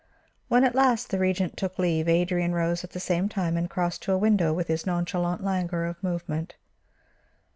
When at last the Regent took leave, Adrian rose at the same time and crossed to a window with his nonchalant languor of movement.